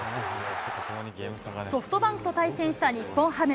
ソフトバンクと対戦した日本ハム。